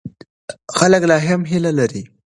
خلک لا هم هیله لري.